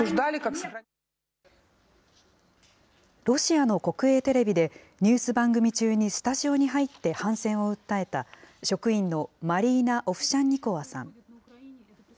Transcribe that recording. ロシアの国営テレビで、ニュース番組中にスタジオに入って反戦を訴えた、職員のマリーナ・オフシャンニコワさん。